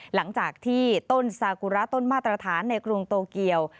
หลังจากที่ต้นซากุระต้นมาตรฐานในกรุงโตเกียว